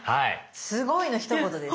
すごいのひと言です。